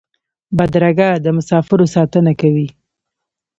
بدرګه د مسافرو ساتنه کوي.